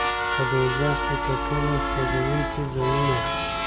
په دوزخ کې تر ټولو سوځوونکي ځایونه.